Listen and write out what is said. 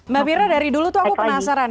mbak fira dari dulu tuh aku penasaran